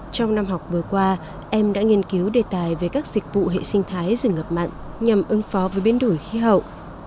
trong năm học vừa qua em đã nghiên cứu đề tài về các dịch vụ hệ sinh thái rừng ngập mặn nhằm ứng phó với biến đổi khí hậu